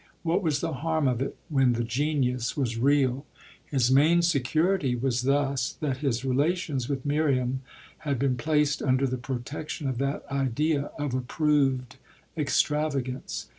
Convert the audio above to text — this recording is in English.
What was the harm of it when the genius was real? His main security was thus that his relations with Miriam had been placed under the protection of that idea of approved extravagance.